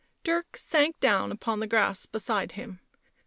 Dirk sank down upon the grass beside him.